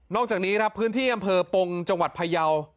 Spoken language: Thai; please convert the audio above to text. อกจากนี้ครับพื้นที่อำเภอปงจังหวัดพยาว